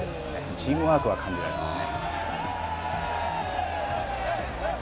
チームワークが感じられますね。